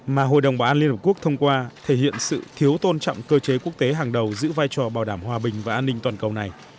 mà hội đồng bảo an liên hợp quốc thông qua thể hiện sự thiếu tôn trọng cơ chế quốc tế hàng đầu giữ vai trò bảo đảm hòa bình và an ninh toàn cầu này